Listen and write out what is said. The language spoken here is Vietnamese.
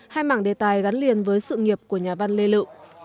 hai mảng đề tài gắn liền với sự nghiệp của nhà văn lê lự